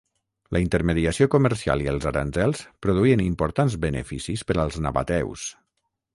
La intermediació comercial i els aranzels produïen importants beneficis per als nabateus.